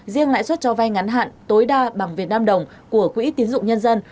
riêng lãi suất cho vay ngắn hạn tối đa bằng việt nam đồng của quỹ tiến dụng nhân dân